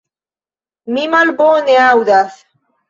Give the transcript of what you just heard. Mi malbone aŭdas.